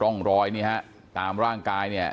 ร่องรอยนี่ฮะตามร่างกายเนี่ย